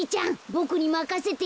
ボクにまかせて。